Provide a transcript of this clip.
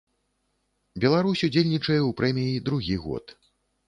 Беларусь удзельнічае ў прэміі другі год.